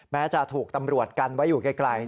แม้จะถูกตำรวจกันไว้อยู่ไกล